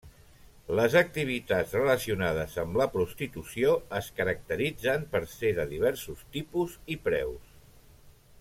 Les activitats relacionades amb la prostitució es caracteritzen per ser de diversos tipus i preus.